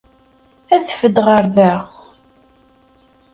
Adef-d ɣer da!